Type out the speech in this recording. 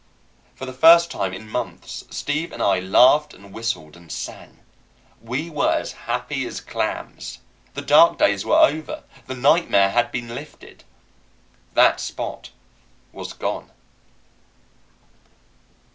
For the first time in months Steve and I laughed and whistled and sang. We were as happy as clams. The dark days were over. The nightmare had been lifted. That Spot was gone.